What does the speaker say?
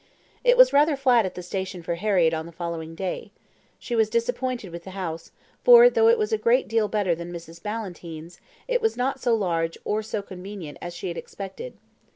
It was rather flat at the station for Harriett on the following day. She was disappointed with the house, for though it was a great deal better than Mrs. Ballantyne's, it was not so large or so convenient as she had expected.